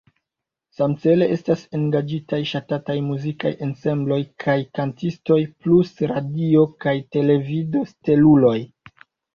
Samcele estas engaĝitaj ŝatataj muzikaj ensembloj kaj kantistoj plus radio- kaj televido-steluloj.